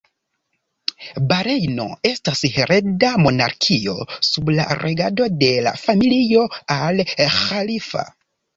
Barejno estas hereda monarkio sub la regado de la familio Al Ĥalifa.